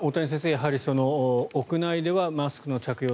やはり屋内ではマスクの着用